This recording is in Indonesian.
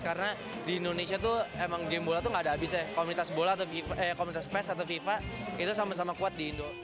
karena di indonesia tuh emang game bola tuh nggak ada abis ya komunitas pes atau fifa itu sama sama kuat di indonesia